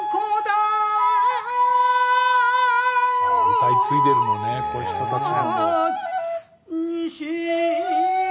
歌い継いでるのねこういう人たち。